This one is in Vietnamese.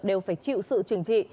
đều phải chịu sự trừng trị